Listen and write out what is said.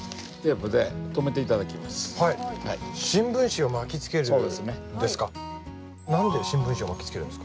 何で新聞紙を巻きつけるんですか？